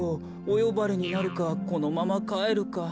およばれになるかこのままかえるか。